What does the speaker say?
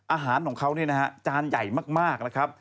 อาหารของเขาเนี่ยนะฮะจานใหญ่มากนะครับ